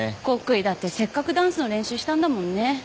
コックリだってせっかくダンスの練習したんだもんね。